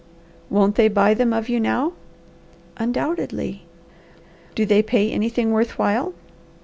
"Won't they buy them of you now?" "Undoubtedly." "Do they pay anything worth while?"